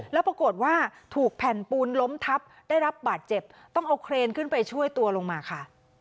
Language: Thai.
แล้วปรากฏว่าถูกแผ่นปูนล้มทับได้รับบาดเจ็บต้องเอาเครนขึ้นไปช่วยตัวลงมาค่ะ